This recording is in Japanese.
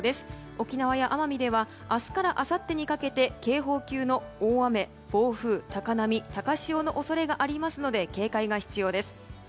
沖縄や奄美では明日からあさってにかけて警報級の大雨・暴風高波・高潮の恐れがありますので警戒が必要です。